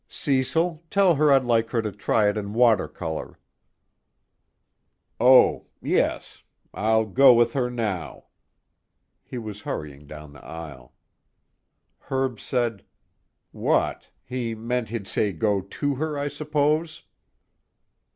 "Cecil, tell her I'd like her to try it in watercolor." "Oh. Yes. I'll go with her now." He was hurrying down the aisle. Herb said: "What he meant to say he'd go to her, I suppose."